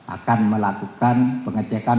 akan melakukan pengecekan